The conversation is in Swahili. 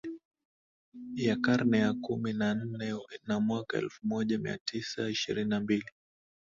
ya karne ya kumi na nne na mwaka elfumoja miatisa ishirini na mbili